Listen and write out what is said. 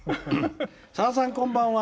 「さださんこんばんは。